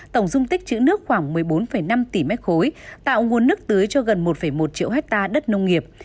tổng dung tích chữ nước khoảng một mươi bốn năm tỷ m ba tạo nguồn nước tưới cho gần một một triệu hectare đất nông nghiệp